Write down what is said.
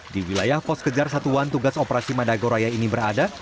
di wilayah pos kejar satuan tugas operasi madagoraya ini berada